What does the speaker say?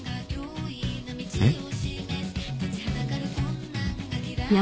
えっ？